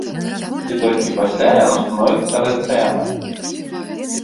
І толькі пасля яно становіцца рацыянальным.